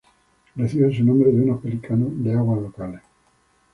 Recibe su nombre de unos pelícanos de agua locales.